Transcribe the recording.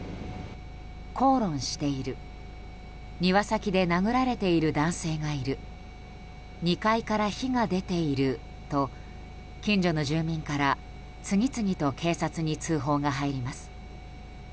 口論している庭先で殴られている男性がいる２階から火が出ていると近所の住民から次々と警察に通報が入ります。